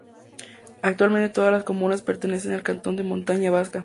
Actualmente todas las comunas pertenecen al cantón de Montaña Vasca.